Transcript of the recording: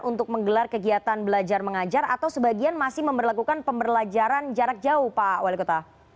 untuk menggelar kegiatan belajar mengajar atau sebagian masih memperlakukan pembelajaran jarak jauh pak wali kota